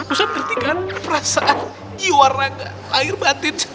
ustadz ngerti kan perasaan jiwa raga lahir batin